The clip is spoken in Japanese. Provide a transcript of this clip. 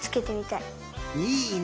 いいね！